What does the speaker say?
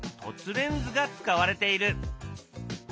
レンズが使われている。